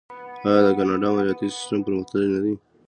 آیا د کاناډا مالیاتي سیستم پرمختللی نه دی؟